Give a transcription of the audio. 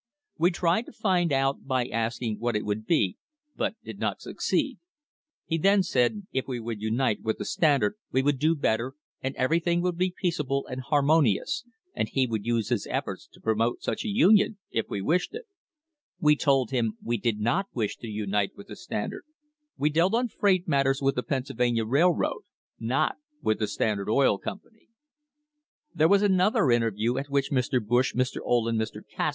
We tried to find out by asking what it would be, but did not suc ceed. He then said if we would unite with the Standard we would do better and everything would be peaceable and harmonious, and he would use his efforts to pro mote such a union if we wished it. We told him we did not wish to unite with the Standard; we dealt on freight matters with the Pennsylvania Railroad, not with the Standard Oil Company. THE HISTORY OF THE STANDARD OIL COMPANY There was another interview a, which Mr. Bush, Mr. Ohlen Mr. Cass